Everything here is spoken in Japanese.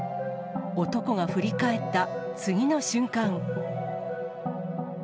男が振り返った次の瞬間。